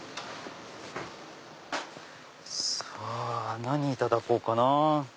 さぁ何いただこうかな？